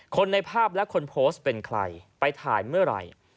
ในภาพและคนโพสต์เป็นใครไปถ่ายเมื่อไหร่